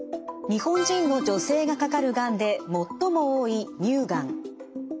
日本人の女性がかかるがんで最も多い乳がん。